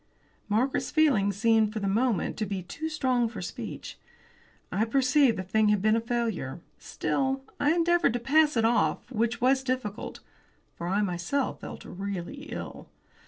Margaret's feelings seemed for the moment to be too strong for speech. I perceived the thing had been a failure. Still, I endeavoured to pass it off, which was difficult, for I myself felt really ill.